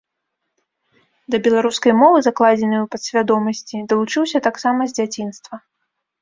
Да беларускай мовы, закладзенай у падсвядомасці, далучыўся таксама з дзяцінства.